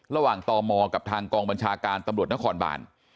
ตมกับทางกองบัญชาการตำรวจนครบาน